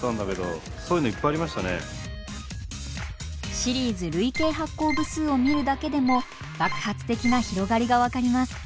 シリーズ累計発行部数を見るだけでも爆発的な広がりが分かります。